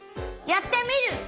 やってみる！